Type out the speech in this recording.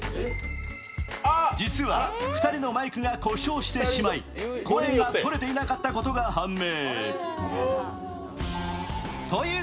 実は２人のマイクが故障してしまい声が録れていなかったことが判明。